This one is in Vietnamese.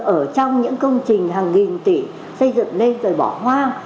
ở trong những công trình hàng nghìn tỷ xây dựng lên rồi bỏ hoang